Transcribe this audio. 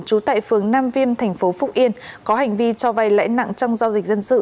trú tại phường nam viêm thành phố phúc yên có hành vi cho vay lãi nặng trong giao dịch dân sự